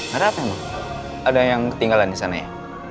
gak ada apa apa bu ada yang ketinggalan di sana ya